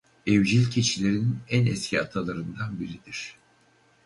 Evcil keçilerin en eski atalarından biridir.